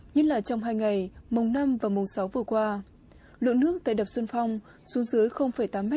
nhất là trong hai ngày mùng năm và mùng sáu vừa qua lượng nước tại đập xuân phong xuống dưới tám m